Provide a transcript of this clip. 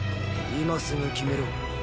今すぐ決めろ。